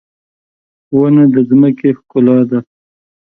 • ونه د ځمکې ښکلا ده.